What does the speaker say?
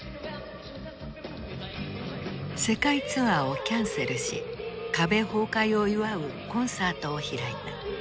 世界ツアーをキャンセルし壁崩壊を祝うコンサートを開いた。